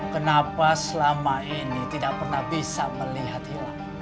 kenapa selama ini tidak pernah bisa melihat hilang